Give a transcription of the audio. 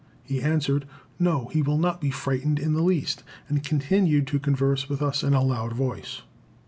He answered, "No, he will not be frightened in the least," and continued to converse with us in a loud voice.